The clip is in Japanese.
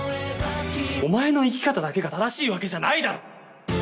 お前の生き方だけが正しいわけじゃないだろ！